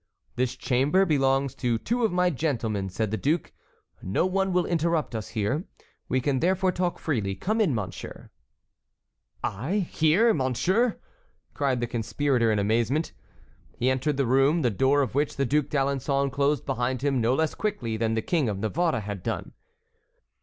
"This chamber belongs to two of my gentlemen," said the duke. "No one will interrupt us here. We can, therefore, talk freely. Come in, monsieur." "I, here, monseigneur!" cried the conspirator in amazement. He entered the room, the door of which the Duc d'Alençon closed behind him no less quickly than the King of Navarre had done.